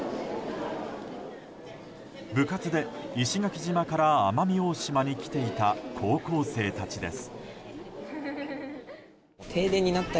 部活で石垣島から奄美大島に来ていた高校生たちです。